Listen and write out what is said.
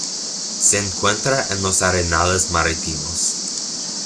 Se encuentra en los arenales marítimos.